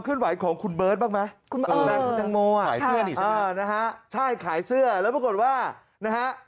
ขึ้นไหวของคุณเบิร์ตบ้างไหมขายเสื้อแล้วปรากฏว่านะฮะ